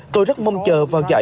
tôi rất mong chờ vào giải